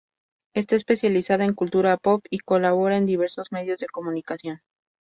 Está especializada en cultura pop y colabora en diversos medios de comunicación.